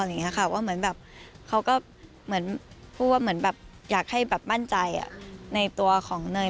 ว่าเหมือนแบบเขาก็อยากให้บ้านใจในตัวของหน่อย